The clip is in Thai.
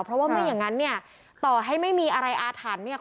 เพราะว่าไม่อย่างนั้นเนี่ยต่อให้ไม่มีอะไรอาถรรพ์เนี่ย